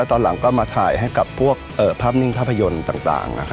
ตอนหลังก็มาถ่ายให้กับพวกภาพนิ่งภาพยนตร์ต่าง